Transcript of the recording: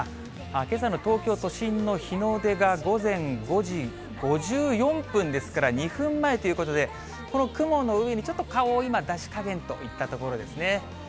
けさの東京都心の日の出が午前５時５４分ですから、２分前ということで、この雲の上にちょっと顔を今、出しかげんといったところですね。